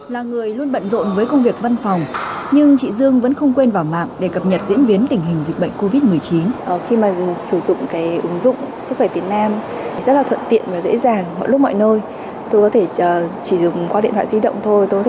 là người luôn bận rộn với công việc văn phòng nhưng chị dương vẫn không quên vào mạng để cập nhật diễn biến tình hình dịch bệnh covid một mươi chín